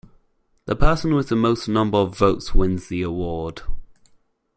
The person with the most number of votes wins the award.